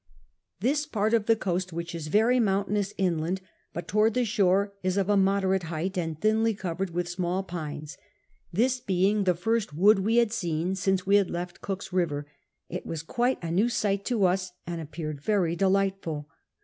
This part of the coast, which is very mountainous inland, but toward the shore is of a moderate height and thinly covered with small pines ; this being the first wood we had seen since we had left Cook's River, it was quite a new sight to us and appeared very delightful.